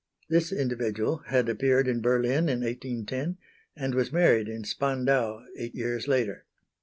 This individual had appeared in Berlin in 1810, and was married in Spandau eight years later.